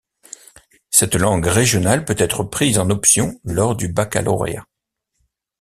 Cette langue régionale peut être prise en option lors du baccalauréat.